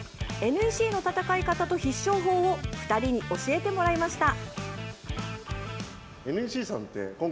ＮＥＣの戦い方と必勝法を２人に教えてもらいました。